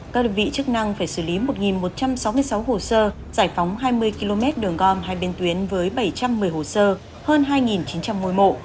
các lực vị chức năng phải xử lý một một trăm sáu mươi sáu hồ sơ giải phóng hai mươi km đường gom hay biên tuyến với bảy trăm một mươi hồ sơ hơn hai chín trăm linh ngôi mộ